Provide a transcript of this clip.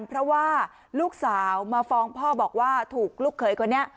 เพราะว่าลูกสาวมาฟ้องพ่อบอกว่าถูกลูกเขยคนนี้